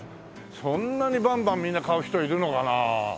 そんなにバンバンみんな買う人いるのかな？